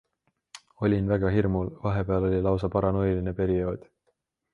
Olin väga hirmul, vahepeal oli lausa paranoiline periood.